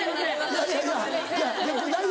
いやいやいや大丈夫。